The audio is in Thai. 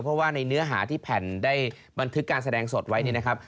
เพราะว่าในเนื้อหาที่แผ่นได้บันทึกการแสดงสดไว้เนี่ยนะครับ